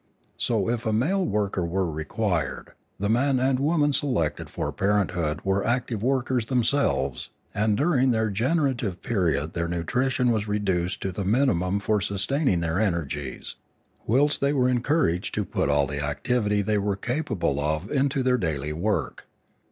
So, if a male worker were required, the man and woman selected for parenthood were active workers them selves; aud during their generative period their nutri tion was reduced to the minimum for sustaining their energies, whilst they were encouraged to put all the activity they were capable of into their daily work.